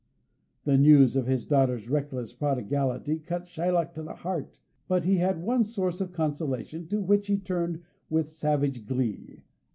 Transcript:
The news of his daughter's reckless prodigality cut Shylock to the heart, but he had one source of consolation to which he turned with savage glee.